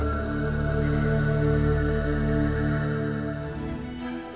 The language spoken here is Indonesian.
tiji dua tiluk